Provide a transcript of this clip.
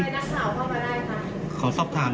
ไปนักข่าวเข้ามาได้ครับ